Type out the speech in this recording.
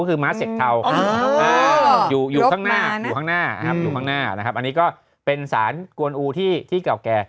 ก็คือม้าเสกเทาอยู่ข้างหน้านะครับอันนี้ก็เป็นสารกวนอูที่เก่าแก่